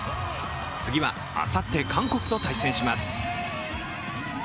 次は、あさって韓国と対戦します。